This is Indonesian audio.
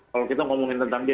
kalau kita ngomongin tentang dia